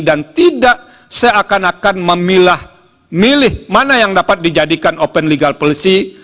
dan tidak seakan akan memilah milih mana yang dapat dijadikan open legal policy